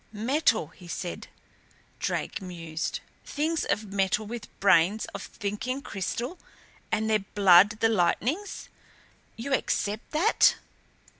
"Metal, he said," Drake mused. "Things of metal with brains of thinking crystal and their blood the lightnings. You accept that?"